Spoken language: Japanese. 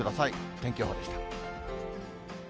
天気予報でした。